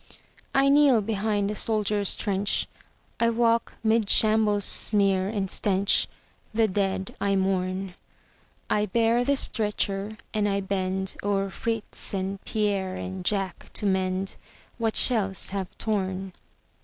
I kneel behind the soldier's trench, I walk 'mid shambles' smear and stench, The dead I mourn; I bear the stretcher and I bend O'er Fritz and Pierre and Jack to mend What shells have torn.